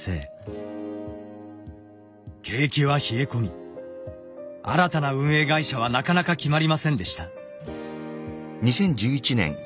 景気は冷え込み新たな運営会社はなかなか決まりませんでした。